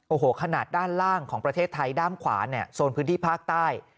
โอ้โหขนาดด้านล่างของประเทศไทยด้านขวาเนี่ยโซนพื้นที่ภาคใต้